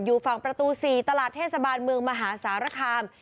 อยู่ฝั่งประตู๔ตลาดเทศบาลเมืองมหาสารคาม